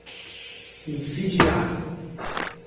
incidirá